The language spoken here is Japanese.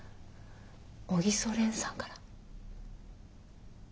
小木曽蓮さんから。